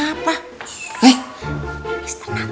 latihan terbakar doang